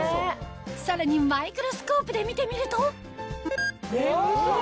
さらにマイクロスコープで見てみるとウソ！